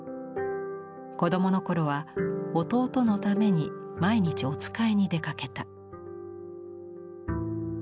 子どもの頃は弟のために毎日お使いに出かけた。